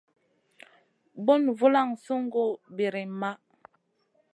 Bùn vulan sungu birim maʼh.